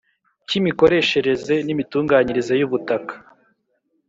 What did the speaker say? Cy imikoreshereze n imitunganyirize y ubutaka